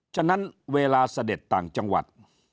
ฉะนั้นเวลาเสด็จต่างจังหวัด